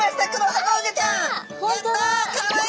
はい。